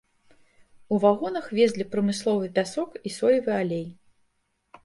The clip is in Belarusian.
У вагонах везлі прамысловы пясок і соевы алей.